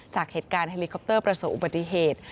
จากเหตุการณ์เฮลิคอปเตอร์ประสบอุบัติเหตุ